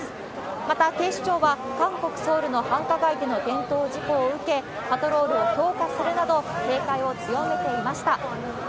また、警視庁は韓国・ソウルの繁華街での転倒事故を受け、パトロールを強化するなど、警戒を強めていました。